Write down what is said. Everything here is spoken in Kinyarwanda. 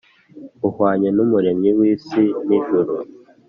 Uhwanye n’Umuremyi w’isi n’ijuru